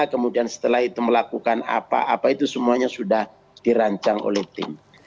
kemudian setelah itu melakukan apa apa itu semuanya sudah dirancang oleh tim